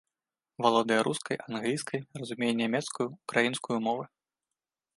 Валодае рускай, англійскай, разумее нямецкую, украінскую мовы.